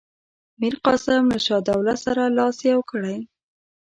میرقاسم له شجاع الدوله سره لاس یو کړی.